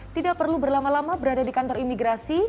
tidak perlu berlama lama berada di kantor imigrasi